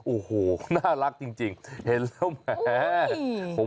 โอ้โหน่ารักจริงเห็นแล้วแหม